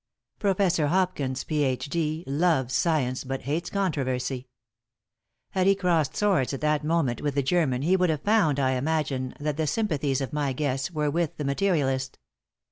Professor Hopkins, Ph. D., loves science but hates controversy. Had he crossed swords at that moment with the German he would have found, I imagine, that the sympathies of my guests were with the materialist.